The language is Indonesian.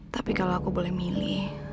tapi kalau aku boleh milih